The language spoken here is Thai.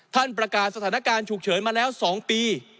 ประกาศสถานการณ์ฉุกเฉินมาแล้ว๒ปี